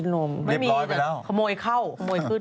สนับสนุนโดยดีที่สุดคือการให้ไม่สิ้นสุด